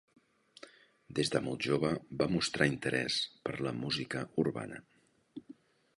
Des de molt jove va mostrar interès per la música urbana.